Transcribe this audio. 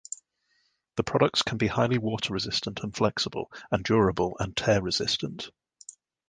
The products can be highly water resistant and flexible and durable and tear resistant.